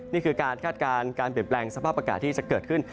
นี่คือการคาดการณ์การเปลี่ยนแปลงสภาพอากาศที่จะเกิดขึ้น